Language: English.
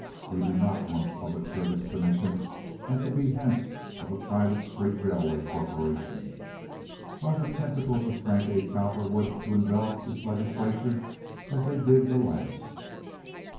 We do not want a public service commission at the behest of a private street railway corporation. Are the tentacles of Frank A. Cowperwood to envelop this legislature as they did the last?"